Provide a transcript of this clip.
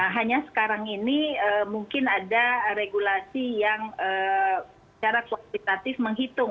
hanya sekarang ini mungkin ada regulasi yang secara kuantitatif menghitung